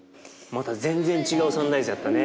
．また全然違うサンライズやったね。